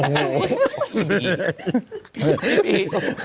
ใช่นี่